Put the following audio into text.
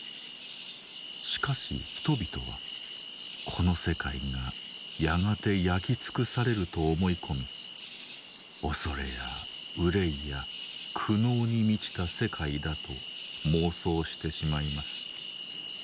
しかし人々はこの世界がやがて焼き尽くされると思い込み恐れや憂いや苦悩に満ちた世界だと妄想してしまいます。